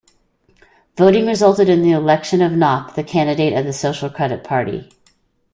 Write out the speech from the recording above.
Voting resulted in the election of Knapp, the candidate of the Social Credit Party.